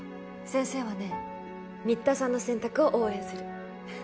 先生はね新田さんの選択を応援する